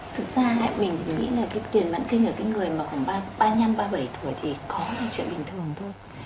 thực ra mình nghĩ là tiền mãn kinh ở người khoảng ba mươi năm ba mươi bảy tuổi thì có là chuyện bình thường thôi